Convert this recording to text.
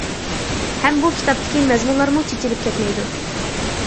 ھەم بۇ كىتابتىكى مەزمۇنلارمۇ چېچىلىپ كەتمەيدۇ.